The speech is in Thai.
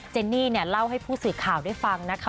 เนนี่เล่าให้ผู้สื่อข่าวได้ฟังนะคะ